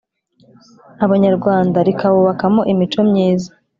abanyarwanda rikabubakamo imico myiza